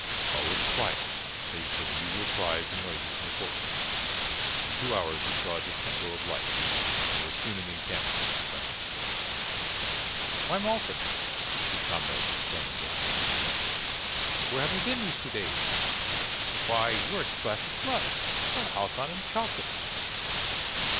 All was quiet, save for the usual cries and noises in the forest. In two hours he saw a distant glow of light, and was soon in the encampment of his friends. "Why, Malchus!" his comrades exclaimed as he entered the tent, "where have you been these two days? Why, you are splashed with blood. Where are Halcon and Chalcus?"